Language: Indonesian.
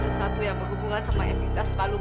bisa nggak mungkin berbuat begitu